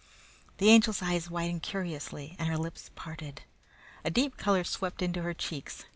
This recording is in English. The Angel's eyes widened curiously and her lips parted. A deep color swept into her cheeks.